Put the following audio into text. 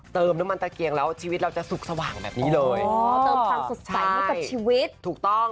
เติมน้ำมันตะเกียงแล้วชีวิตเราจะสุขสว่างแบบนี้เลยอ๋อเติมความสดใสให้กับชีวิตถูกต้อง